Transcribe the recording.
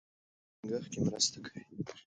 ښځې د سولې او ثبات په ټینګښت کې مرسته کوي.